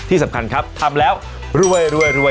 ที่สำคัญครับทำแล้วรวยรวย